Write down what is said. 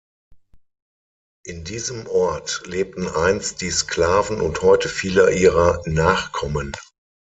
In diesem Ort lebten einst die Sklaven und heute viele ihrer Nachkommen.